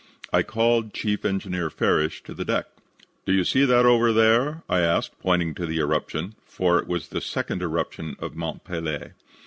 I called Chief Engineer Farrish to the deck. "'Do you see that over there?' I asked, pointing to the eruption, for it was the second eruption of Mont Pelee.